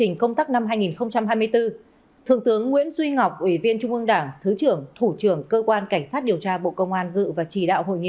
công tác năm hai nghìn hai mươi bốn thượng tướng nguyễn duy ngọc ủy viên trung ương đảng thứ trưởng thủ trưởng cơ quan cảnh sát điều tra bộ công an dự và chỉ đạo hội nghị